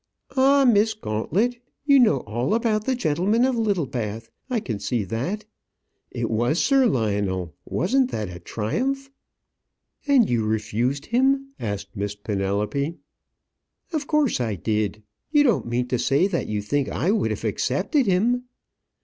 "Ah! Miss Gauntlet, you know all about the gentlemen of Littlebath. I can see that. It was Sir Lionel. Wasn't that a triumph?" "And you refused him?" asked Miss Penelope. "Of course I did. You don't mean to say that you think I would have accepted him?"